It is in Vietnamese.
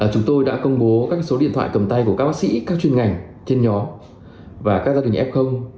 chúng tôi đã công bố các số điện thoại cầm tay của các bác sĩ các chuyên ngành trên nhóm và các gia đình f